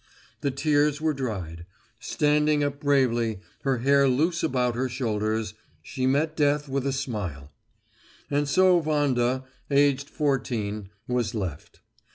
The tears were dried. Standing up bravely, her hair loose about her shoulders, she met death with a smile. And so Wanda, aged fourteen, was left.